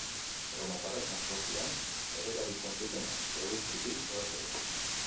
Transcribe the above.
Erromatarrek, antzokian ere erabiltzen zuten, eguzkitik babesteko.